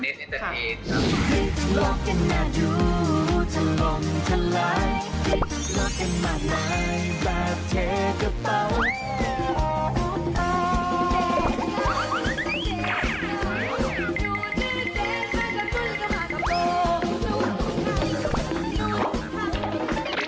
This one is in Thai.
หนูชื่อเจ๊ค่อยก็คุยกับหัวตัวโมง